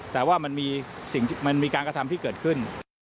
แต่ว่ามันมีการกระทำที่เกิดขึ้น